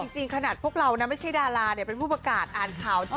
จริงขนาดพวกเรานะไม่ใช่ดาราเป็นผู้ประกาศอ่านข่าว